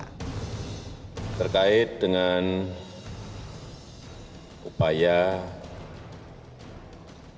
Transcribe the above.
presiden joko widodo juga menegaskan bahwa tidak akan memberi ruang pada terorisme dan upaya yang mengganggu keamanan negara